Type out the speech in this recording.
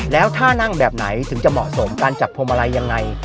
แล้วท่านั่งแบบไหนถึงจะเหมาะสมการจับพวงมาลัยยังไง